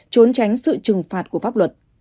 trốn tránh sự trừng phạt của pháp luật